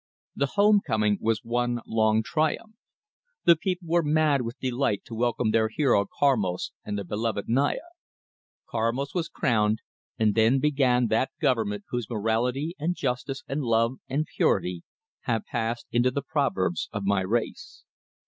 The home coming was one long triumph. The people were mad with delight to welcome their hero Karmos and their beloved Naya. Karmos was crowned, and then began that government whose morality and justice and love and purity have passed into the proverbs of my race.